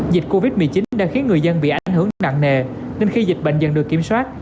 dịch covid một mươi chín đã khiến người dân bị ảnh hưởng nặng nề nên khi dịch bệnh dần được kiểm soát